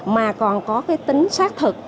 mà còn có cái tính xác thực